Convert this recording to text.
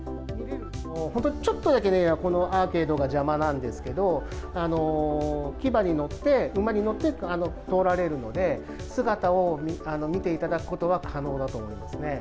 本当にちょっとだけね、このアーケードが邪魔なんですけど、騎馬に乗って、馬に乗って通られるので、姿を見ていただくことは可能だと思いますね。